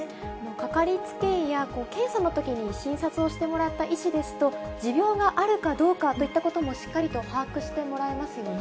かかりつけ医や、検査のときに診察をしてもらった医師ですと、持病があるかどうかといったことも、しっかりと把握してもらえますよね。